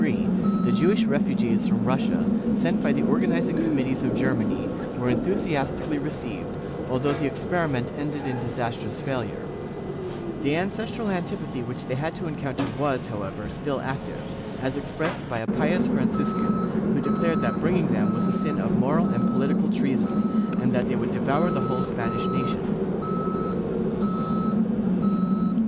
316 JEWS [Book VIII sion from ancient error when, in 1883, the Jewish refugees from Russia, sent by the organizing committees of Germany, were enthusiastically received, although the experiment ended in disas trous failure/ The ancestral antipathy which they had to encoun ter was, however, still active, as expressed by a pious Franciscan, who declared that bringing them was a sin of moral and politi cal treason, and that they would devour the whole Spanish nation.